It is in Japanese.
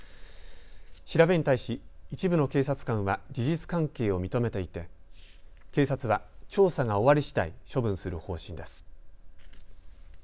調べに対し一部の警察官は事実関係を認めていて警察は調査が終わりしだい処分する方針です。